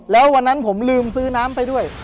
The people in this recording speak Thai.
แล้ววันนั้นผมลืมซื้อน้ำไปด้วย